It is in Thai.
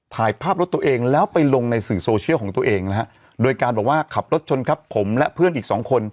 ถ่ายภาพรถตัวเองแล้วไปลงในสื่อโซเชียลของตัวเองนะฮะโดยการบอกว่าขับรถชนครับผมและเพื่อนอีกสองคน